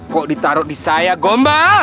kok ditaruh di saya gomba